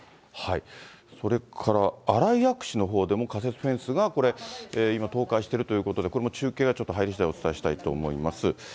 それから新井薬師のほうでも仮設フェンスがこれ、今、倒壊しているということで、これも中継がちょっと入りしだいお伝えしたいと思います。